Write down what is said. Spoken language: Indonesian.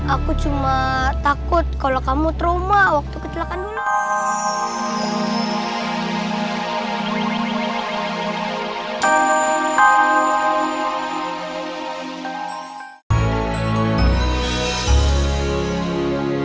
aku cuma takut kalau kamu trauma waktu kecelakaan dulu